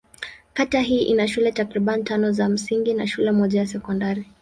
Kata hii ina shule takriban tano za msingi na shule moja ya sekondari.